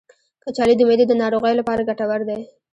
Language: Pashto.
کچالو د معدې د ناروغیو لپاره ګټور دی.